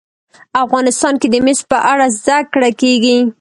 افغانستان کې د مس په اړه زده کړه کېږي.